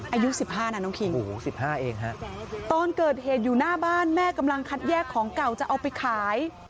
อายุ๑๕นะน้องคิง๑๕เองฮะตอนเกิดเหตุอยู่หน้าบ้านแม่กำลังคัดแยกของเก่าจะเอาไปขาย